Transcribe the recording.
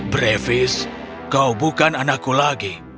brevis kau bukan anakku lagi